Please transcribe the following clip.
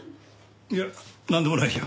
いやなんでもないよ。